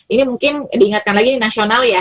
ini mungkin diingatkan lagi di nasional ya